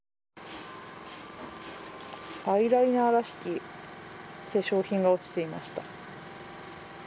アイライナーらしき化粧品が落ちていました。